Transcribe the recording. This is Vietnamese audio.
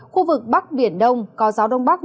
khu vực bắc biển đông có gió đông bắc